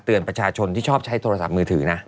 ประชาชนที่ชอบใช้โทรศัพท์มือถือนะ